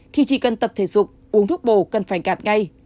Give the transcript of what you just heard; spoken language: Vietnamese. thì chỉ cần tập thể dục uống thuốc bồ cần phải gạt ngay